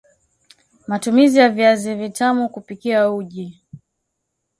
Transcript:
Matumizi ya Viazi Vitamu kupikia uji